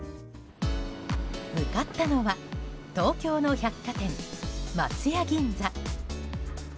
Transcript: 向かったのは東京の百貨店、松屋銀座。